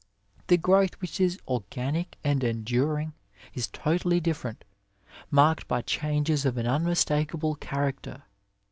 The growth which is organic and enduring, is totally different, marked by changes of an unmistakable character.